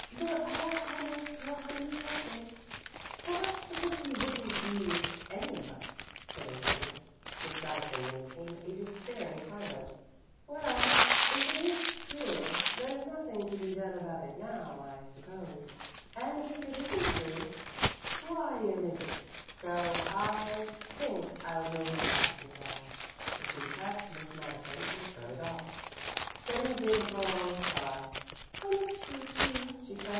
"There are almost four hundred freshmen. Perhaps the fifty wouldn't be any of us," put in Betty. Miss Madison maintained a despairing silence. "Well," said Katherine at last, "if it is true there's nothing to be done about it now, I suppose; and if it isn't true, why it isn't; so I think I'll go to basket ball," and she detached Miss Madison and started off. Betty gave a prolonged sigh. "I must go too," she said.